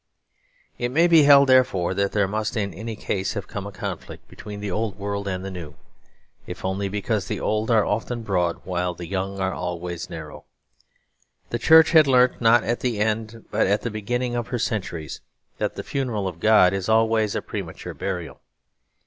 It may be held, therefore, that there must in any case have come a conflict between the old world and the new; if only because the old are often broad, while the young are always narrow. The Church had learnt, not at the end but at the beginning of her centuries, that the funeral of God is always a premature burial.